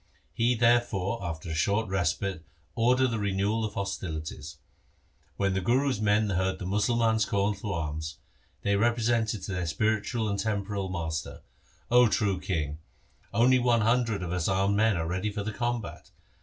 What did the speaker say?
He therefore, after a short respite, ordered the renewal of hostilities. When the Guru's men heard the Musalmans' call to arms, they repre sented to their spiritual and temporal master, ' 0 true king, only one hundred of us armed men are ready for the combat.